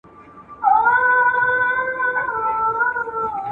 تاسو باید د مقالي لپاره یو ځانګړی ترتیب ولرئ.